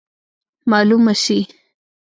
معلومه سي.